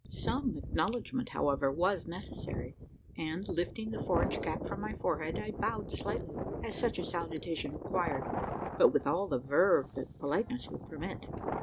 Some acknowledgement, however, was necessary; and, lifting the forage cap from my forehead, I bowed slightly as such a salutation required but with all the verve that politeness would permit.